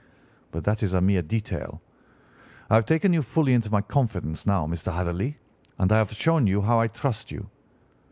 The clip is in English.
But that is a mere detail. I have taken you fully into my confidence now, Mr. Hatherley, and I have shown you how I trust you.